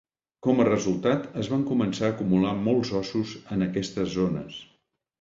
Com a resultat, es van començar a acumular molts ossos en aquestes zones.